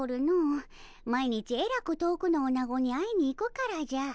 毎日えらく遠くのおなごに会いに行くからじゃ。